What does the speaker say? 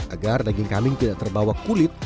agar daging kambing tidak terbawa kulit